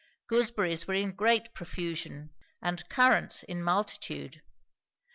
Gooseberries were in great profusion, and currants in multitude.